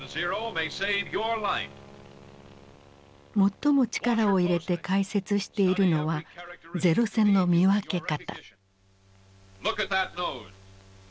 最も力を入れて解説しているのは零戦の見分け方。